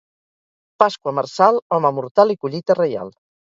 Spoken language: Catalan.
Pasqua marçal, home mortal i collita reial.